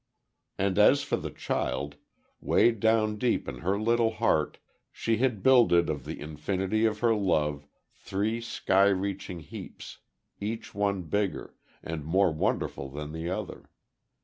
And as for the child 'way, down deep in her little heart, she had builded of the infinity of her love, three sky reaching heaps, each one bigger, and more wonderful than the other.